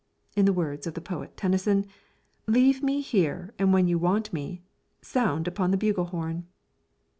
In the words of the poet Tennyson, "Leave me here, and when you want me, Sound upon the bugle horn."